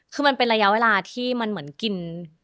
คือมันเป็นระยะเวลาที่มันเหมือนกิน